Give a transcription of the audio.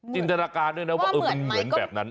จินตนาการด้วยนะว่ามันเหมือนแบบนั้น